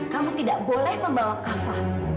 kamu tidak boleh membawa kava